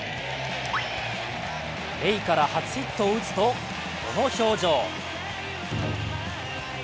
レイから初ヒットを打つとこの表情。